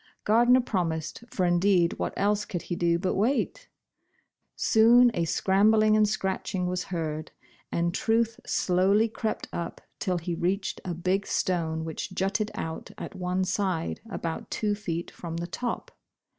Gardner promised, for. indeed, what else could he do but wait ? Soon a scrambling and scratching was heard, and Truth slowly crept up till he reached a big stone which jutted out at one side, about 28 Bosh Bosh Oil. two feet from the top.